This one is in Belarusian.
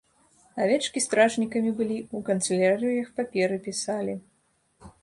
Авечкі стражнікамі былі, у канцылярыях паперы пісалі.